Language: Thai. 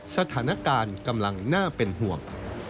สถานการณ์กำลังน่าเป็นห่วง